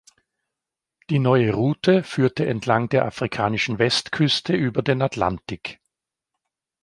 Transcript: Die neue Route führte entlang der afrikanischen Westküste über den Atlantik.